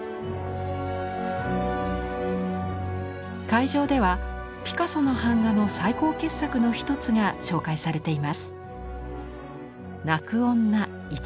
会場ではピカソの版画の最高傑作の一つが紹介されています。